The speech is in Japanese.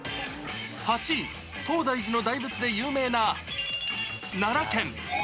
８位、東大寺の大仏で有名な奈良県。